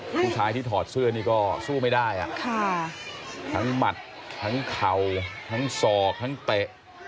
ผู้ชายที่ถอดเสื้อนี้ก็สู้ไม่ได้อ่ะคักหมัดเข่าสอกเตะ